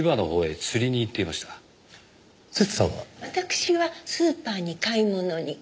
私はスーパーに買い物に。